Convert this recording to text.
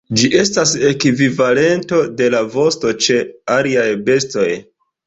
Ĝi estas ekvivalento de la vosto ĉe aliaj bestoj.